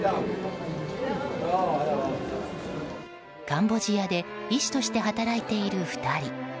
カンボジアで医師として働いている２人。